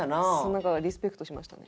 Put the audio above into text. なんかリスペクトしましたね。